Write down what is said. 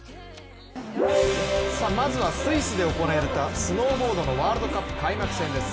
まずはスイスで行われたスノーボードのワールドカップ開幕戦です。